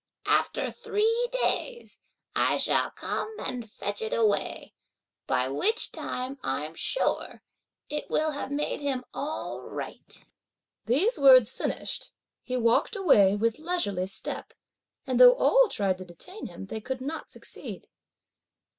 After three days, I shall come and fetch it away; by which time, I'm sure, it will have made him all right." These words finished, he walked away with leisurely step, and though all tried to detain him, they could not succeed.